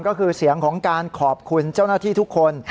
ก็คือเสียงของการขอบคุณเจ้าหน้าที่ทุกคน